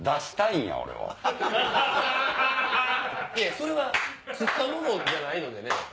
それは釣ったものじゃないので。